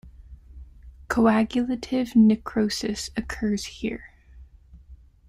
Coagulative necrosis occurs here.